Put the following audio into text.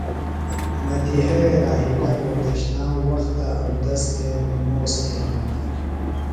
مدیحئے راحلہ روھتشنام وختہ اودس تھےۡ نِموس تھینِم۔